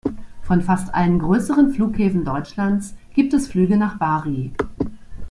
Von fast allen größeren Flughäfen Deutschlands gibt es Flüge nach Bari.